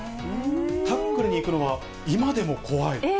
タックルに行くのは今でも怖い。